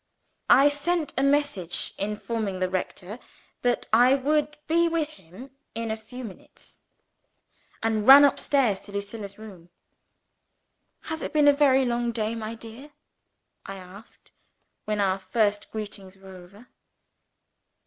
I sent a message, informing the rector that I would be with him in a few minutes and ran up stairs into Lucilla's room. "Has it been a very long day, my dear?" I asked, when our first greetings were over.